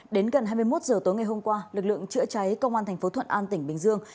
đến gần hai mươi một giờ tối ngày hôm qua lực lượng chữa cháy công an tp thuận an tỉnh bình dương